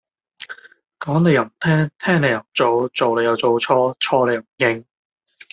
講你又唔聽聽你又唔做做你又做錯錯你又唔認